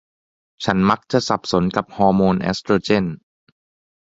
ฉันมักจะสับสนกับฮอร์โมนเอสโตรเจน